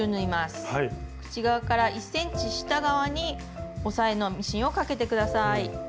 口側から１ｃｍ下側に押さえのミシンをかけてください。